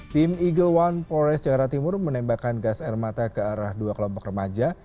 tim eagle one polres jakarta timur menembakkan gas air mata ke arah dua kelompok remaja